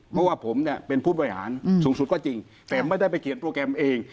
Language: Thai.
เพราะว่าผมเนี่ยเป็นผู้บริหารสูงสุดก็จริงแต่ไม่ได้ไปเขียนโปรแกรมเอง